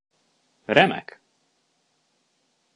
Remek!